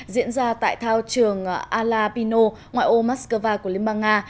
diễn ra tại thao trường ala pino ngoại ô moscow của liên bang nga